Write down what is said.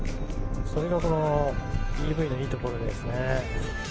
それがこのＥＶのいいところですね。